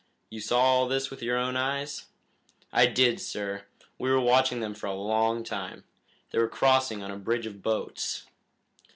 "You saw all this with your own eyes?" "I did, sir. We watched them for a long time. They were crossing on a bridge of boats."